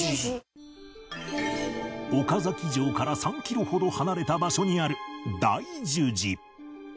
岡崎城から３キロほど離れた場所にある大樹寺